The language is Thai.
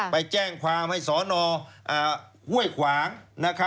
ไปแจ้งความให้สนห้วยขวาง